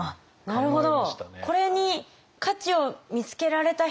なるほど。